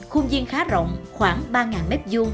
khuôn viên khá rộng khoảng ba m hai